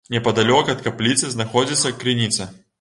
Непадалёк ад капліцы знаходзіцца крыніца.